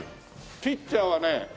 ピッチャーはね菅野。